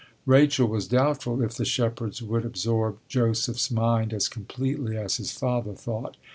Rachel was doubtful if the shepherds would absorb Joseph's mind as completely as his father thought.